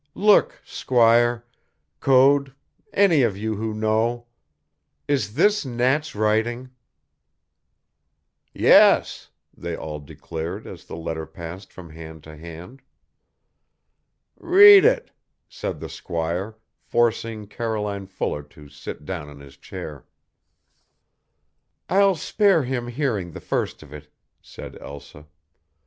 "Look, squire, Code, any of you who know. Is this Nat's writing?" "Yes," they all declared as the letter passed from hand to hand. "Read it," said the squire, forcing Caroline Fuller to sit down in his chair. "I'll spare him hearing the first of it," said Elsa.